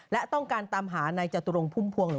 และต้องการตามหานายจตุรงพุ่มพวง